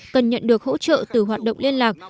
cần nhận được hỗ trợ từ hoạt động liên lạc